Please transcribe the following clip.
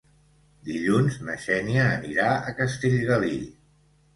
Dilluns na Xènia anirà a Castellgalí.